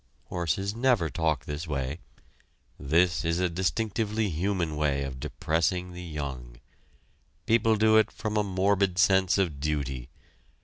Horses never talk this way. This is a distinctively human way of depressing the young. People do it from a morbid sense of duty.